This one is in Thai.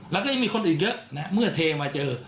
แล้วก็ยังมีคนอื่นเยอะนะเมื่อเทมาเจอ